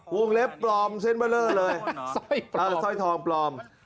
วงเล็บปลอมเซ็นเบอร์เลอร์เลยสร้อยทองปลอม